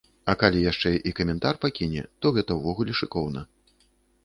А калі яшчэ і каментар пакіне, то гэта ўвогуле шыкоўна.